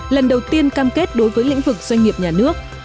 lần đầu tiên cam kết đối với lĩnh vực doanh nghiệp nhà nước